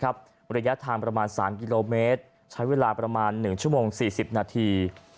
ระยะทางประมาณ๓กิโลเมตรใช้เวลาประมาณ๑ชั่วโมง๔๐นาที